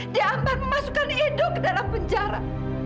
dia ambar memasukkan edo ke dalam penjara